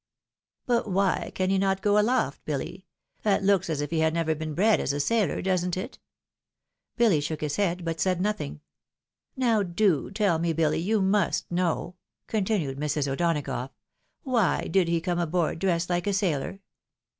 " But why can he not go aloft, Billy ? that looks as if he had never been bred as a sailor ; doesn't it ?" Billy shook his head, but said nothing. " Now do tell me, Billy, you must know," continued Mrs. O'Donagough, " wTiy did he come aboard dressed like a sailor